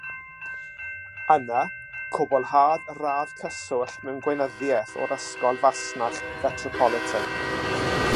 Yna cwblhaodd radd Cyswllt mewn Gweinyddiaeth o'r Ysgol Fasnach Fetropolitan.